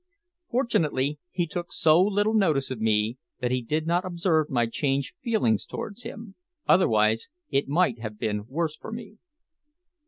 Fortunately he took so little notice of me that he did not observe my changed feelings towards him, otherwise it might have been worse for me.